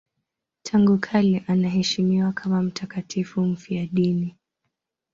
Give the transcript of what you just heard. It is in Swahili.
Tangu kale anaheshimiwa kama mtakatifu mfiadini.